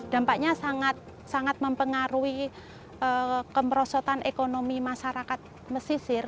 dampaknya sangat sangat mempengaruhi kemerosotan ekonomi masyarakat mesisir